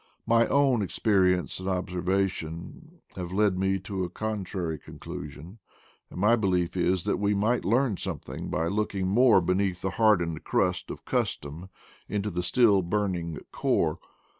My own experience and observation have led me to a contrary conclusion, and my belief is that we might learn something by looking more beneath the hardened crust of custom into the still burning core.